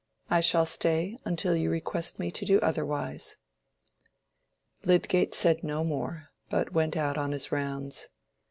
I shall stay until you request me to do otherwise." Lydgate said no more, but went out on his rounds.